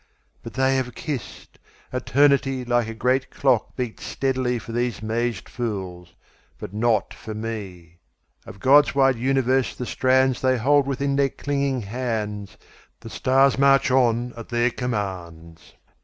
But they have kissed. Eternity, Like a great clock, beats steadilyFor these mazed fools—but not for me! Of God's wide universe the strandsThey hold within their clinging hands; The stars march on at their commands.